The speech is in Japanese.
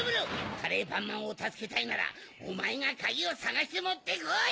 カレーパンマンをたすけたいならおまえがカギをさがしてもってこい！